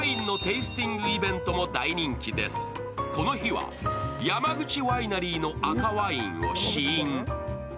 この日は山口ワイナリーの赤ワインを試飲。